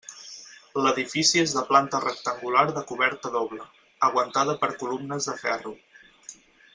L'edifici és de planta rectangular de coberta doble, aguantada per columnes de ferro.